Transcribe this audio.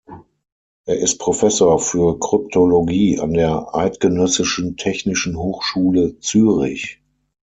Er ist Professor für Kryptologie an der Eidgenössischen Technischen Hochschule Zürich.